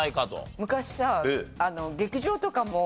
昔さ。